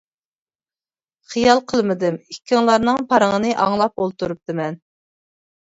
-خىيال قىلمىدىم، ئىككىڭلارنىڭ پارىڭىنى ئاڭلاپ ئولتۇرۇپتىمەن.